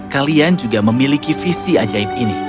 kalian juga memiliki visi ajaib ini